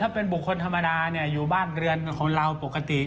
เป็นบุคคลธรรมดาอยู่บ้านเรือนของเราปกติ